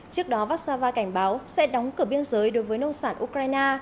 trước đó vassava cảnh báo sẽ đóng cửa biên giới đối với nông sản ukraine